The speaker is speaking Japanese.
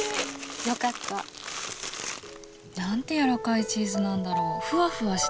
よかった。なんてやわらかいチーズなんだろうふわふわしてる。